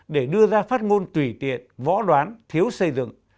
để đưa ra phát ngôn tùy tiện võ đoán thiếu xây dựng